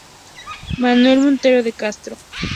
Manuel Monteiro de Castro.